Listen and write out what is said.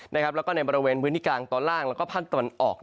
แล้วก็ในบริเวณพื้นที่กลางตอนล่างแล้วก็ภาคตะวันออก